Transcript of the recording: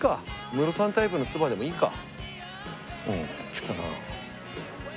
ムロさんタイプのつばでもいいか。